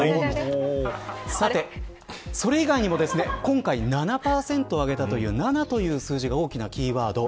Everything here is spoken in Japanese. さて、それ以外にも今回７％上げたという７という数字が大きなキーワード。